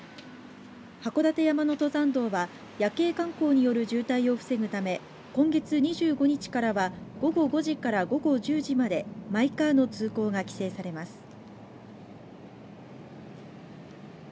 函館山の登山道は夜景観光による渋滞を防ぐため今月２５日からは午後５時から午後１０時までマイカーの通行が規制されます。